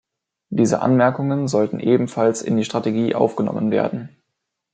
Diese Anmerkungen sollten ebenfalls in die Strategie aufgenommen werden.